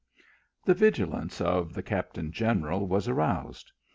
The vigilance of the captain general was aroused.